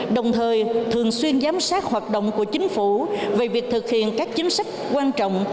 đồng thời thường xuyên giám sát hoạt động của chính phủ về việc thực hiện các chính sách quan trọng